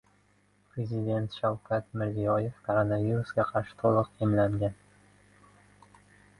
Prezident Shavkat Mirziyoyev koronavirusga qarshi to‘liq emlangan